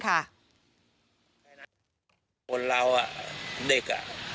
เราอ่ะเด็ก